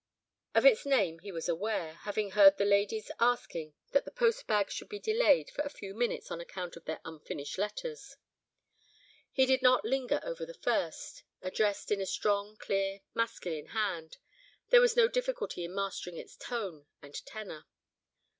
Of its name he was aware, having heard the ladies asking that the post bag should be delayed for a few minutes on account of their unfinished letters. He did not linger over the first, addressed in a strong, clear, masculine hand. There was no difficulty in mastering its tone and tenor.